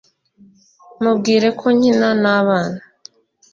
Mubwire ko nkina nabana